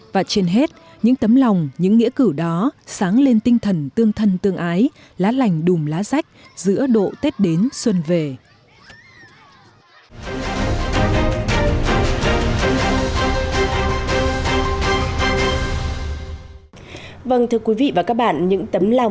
và trên hết những tấm lòng những nghĩa cử đó sáng lên tinh thần tương thân tương ái lá lành đùm lá rách giữa độ tết đến xuân về